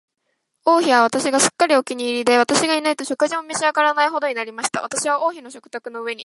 王妃は私がすっかりお気に入りで、私がいないと食事も召し上らないほどになりました。私は王妃の食卓の上に、